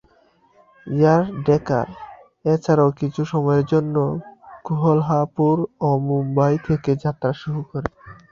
Air Deccan এছাড়াও কিছু সময়ের জন্য কোলহাপুর ও মুম্বাই থেকেও যাত্রা শুরু করে।